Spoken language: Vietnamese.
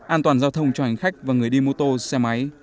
an toàn giao thông cho hành khách và người đi mô tô xe máy